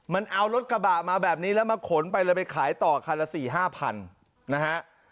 มันเอารถกระบะมาแบบนี้แล้วมาขนไปเลยไปขายต่อคันละ๔๕พันนะฮะ